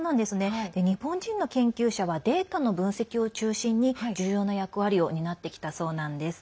日本人の研究者はデータの分析を中心に重要な役割を担ってきたそうなんです。